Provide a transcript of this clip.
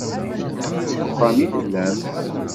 Deg uxxam i tellamt.